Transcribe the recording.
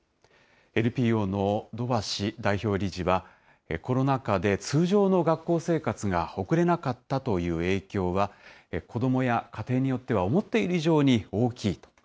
ＮＰＯの土橋代表理事は、コロナ禍で通常の学校生活が送れなかったという影響は、子どもや家庭によっては思っている以上に大きいと。